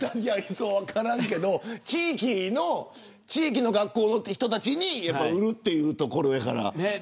それは分からんけど地域の学校の人たちに売るというところやから。